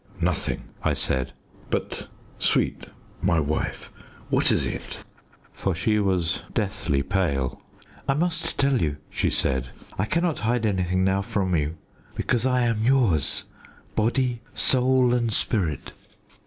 "Nothing," I said. "But, sweet, my wife, what is it?" For she was deathly pale. "I must tell you," she said; "I cannot hide anything now from you, because I am yours body, soul, and spirit."